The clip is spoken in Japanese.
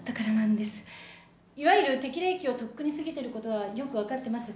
いわゆる適齢期をとっくに過ぎてることはよく分かってます。